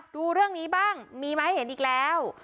ดูเรื่องนี้บ้างมีมาให้เห็นอีกแล้ว